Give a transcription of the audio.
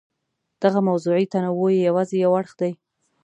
دغه موضوعي تنوع یې یوازې یو اړخ دی.